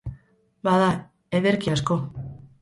Bada, ederki asko.